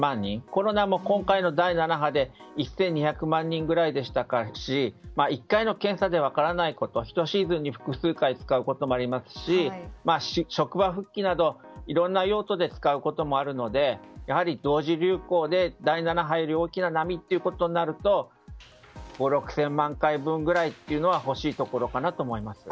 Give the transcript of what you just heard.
コロナも今回の第７波で１２００万人くらいでしたから１回の検査では分からないこと、１シーズンに複数回使うこともありますし職場復帰など、いろんな用途で使うこともありますので同時流行で、第７波より大きな波ということになると５０００６０００万回分は欲しいところだと思います。